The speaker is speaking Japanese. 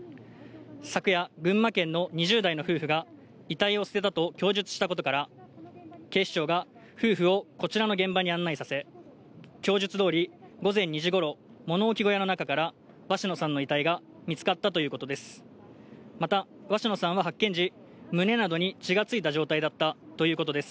昨夜、群馬県の２０代の夫婦が遺体を捨てたと供述したことから、警視庁が夫婦をこちらの現場に案内させ、供述通り午前２時頃、物置小屋の中から鷲野さんの遺体が見つかったということです。